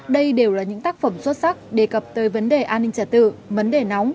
đây đều là những tác phẩm xuất sắc đề cập tới vấn đề an ninh trả tự vấn đề nóng